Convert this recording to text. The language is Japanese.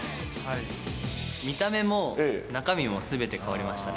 見た目も中身もすべて変わりましたね。